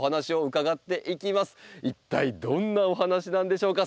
一体どんなお話なんでしょうか？